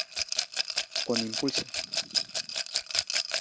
Cuando Impulse!